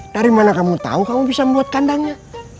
dari mana kamu tau kamu bisa membuatkan kanan nya